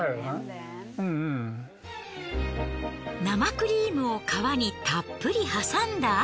生クリームを皮にたっぷり挟んだ